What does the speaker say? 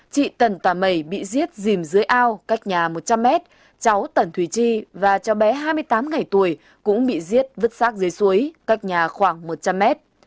chị tẩn tả mẩy bị giết dìm dưới ao cách nhà một trăm linh m cháu tẩn thùy chi và cháu bé hai mươi tám ngày tuổi cũng bị giết vứt sát dưới suối cách nhà khoảng một trăm linh m